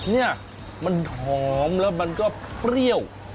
นี่มันหอมแล้วมันก็เปรี้ยว